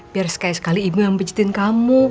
biar sekali sekali ibu yang budgetin kamu